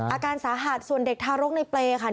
อาการสาหัสส่วนเด็กทารกในเปรย์ค่ะ